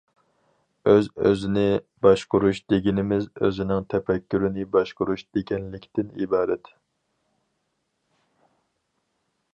ئۆز-ئۆزىنى باشقۇرۇش دېگىنىمىز ئۆزىنىڭ تەپەككۇرىنى باشقۇرۇش، دېگەنلىكتىن ئىبارەت.